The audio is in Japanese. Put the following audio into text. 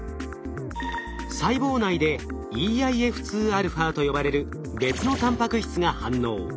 細胞内で「ｅＩＦ２α」と呼ばれる別のタンパク質が反応。